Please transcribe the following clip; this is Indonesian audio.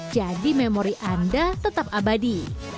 jadi memori anda tetap abadi